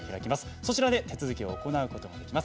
そちらで手続きを行うことができます。